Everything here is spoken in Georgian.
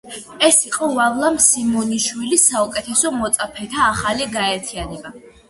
ეს იყო ვარლამ სიმონიშვილის საუკეთესო მოწაფეთა ახალი გაერთიანება.